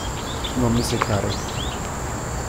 Non mi seccare.